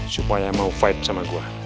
supaya mau fight sama gue